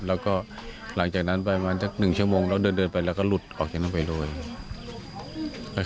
แล้วก็หลังจากนั้นไปประมาณสัก๑ชั่วโมงแล้วเดินไปแล้วก็หลุดออกจากนั้นไปเลย